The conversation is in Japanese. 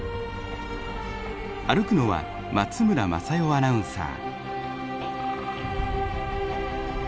歩くのは松村正代アナウンサー。